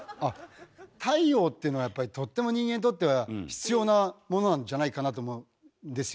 太陽っていうのはやっぱりとっても人間にとっては必要なものなんじゃないかなと思うんですよ。